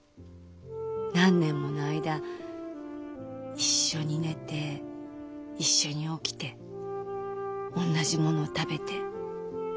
何年もの間一緒に寝て一緒に起きておんなじものを食べて。